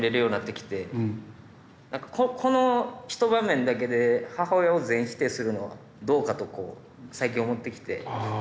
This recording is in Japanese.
なんかこの一場面だけで母親を全否定するのはどうかとこう最近思ってきて。